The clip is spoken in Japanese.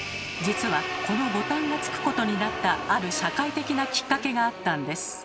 実はこのボタンが付くことになったある社会的なきっかけがあったんです。